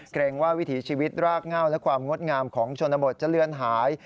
เกรงว่าวิถีชีวิตรากเง่าและความงดงามของชนบทจะเลือนหาย